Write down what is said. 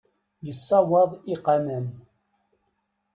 Yessawaḍ iqannan.